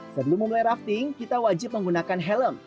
sebelum memulai rafting kita wajib menggunakan helm